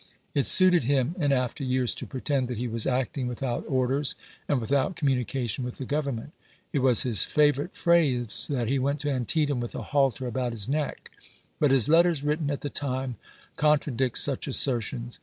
It suited him in after years to pretend that he was acting without orders and without communication with the Government. It was his favorite phrase that he went to Antietam with a " halter about his neck." But his letters written at the time contra dict such assertions.